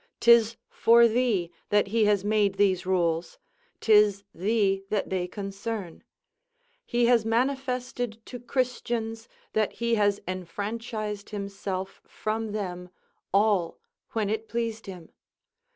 'Tis for thee that he has made these rules; 'tis thee that they concern; he has manifested to Christians that he has enfranchised himself from them all when it pleased him.